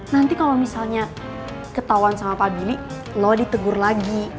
nanti kalau misalnya ketahuan sama pak billy lo ditegur lagi